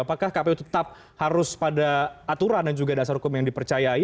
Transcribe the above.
apakah kpu tetap harus pada aturan dan juga dasar hukum yang dipercayai